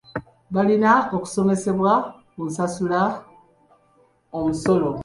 Balina okusomesebwa ku kusasula omusolo.